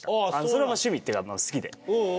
それも趣味っていうか好きで。